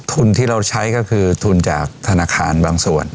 ทุนที่เราใช้ก็คือทุนจากธนาคารบางส่วน